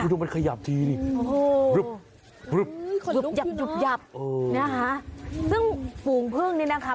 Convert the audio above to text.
ดูมันขยับทีนี่นะคะซึ่งฝูงพึ่งนี่นะคะ